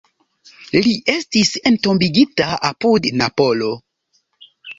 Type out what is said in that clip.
Li estis entombigita apud Napolo.